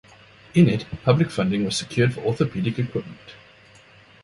In it, public funding was secured for orthopedic equipment.